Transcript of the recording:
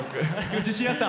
自信あった？